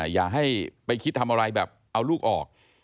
อย่าให้ไปคิดทำอะไรแบบเอาลูกออก